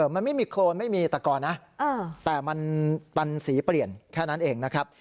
มันไม่มีโครนไม่มีตะกอนนะแต่มันสีเปลี่ยนแค่นั้นเองนะครับ